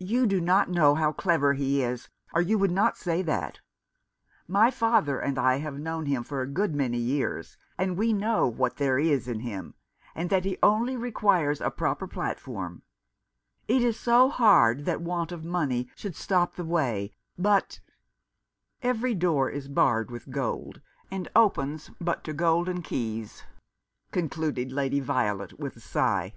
"You do not know how clever he is, or you would not say that. My father and I have known him for a good many years, and we know what there is in him, and that he only requires a proper 245 Rough Justice. platform. It is so hard that want of money should stop the way — but —" Every door is barred with gold, and opens but to golden keys," concluded Lady Violet, with a sigh.